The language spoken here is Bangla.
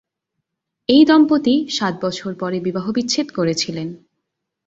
এই দম্পতি সাত বছর পরে বিবাহবিচ্ছেদ করেছিলেন।